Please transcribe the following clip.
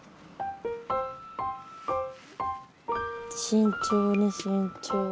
慎重に慎重に。